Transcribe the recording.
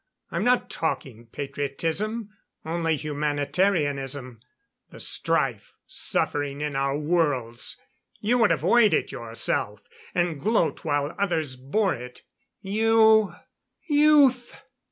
I'm not talking patriotism only humanitarianism. The strife, suffering in our worlds you would avoid it yourself and gloat while others bore it. You " "Youth!"